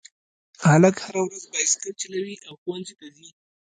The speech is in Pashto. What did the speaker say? هلک هره ورځ بایسکل چلوي او ښوونځي ته ځي